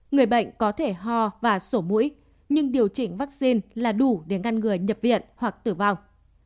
người bệnh có thể ho và sổ mũi nhưng điều chỉnh vaccine là đủ để ngăn người nhập viện hoặc tử vong